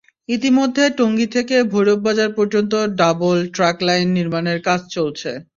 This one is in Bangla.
ইতিমধ্যে টঙ্গী থেকে ভৈরববাজার পর্যন্ত ডবল ট্র্যাক লাইন নির্মাণের কাজ চলছে।